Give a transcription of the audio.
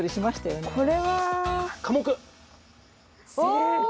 正解！